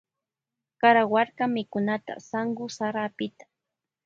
Karawarka mikunata sanwu sara apita.